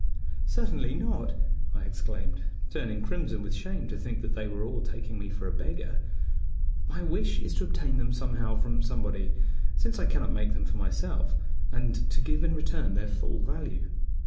"Certainly not!" I exclaimed, turning crimson with shame to think that they were all taking me for a beggar. "My wish is to obtain them somehow from somebody, since I cannot make them for myself, and to give in return their full value."